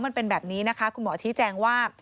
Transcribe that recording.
มันเป็นแบบนี้นะคะคุณหมอชี้แจงว่า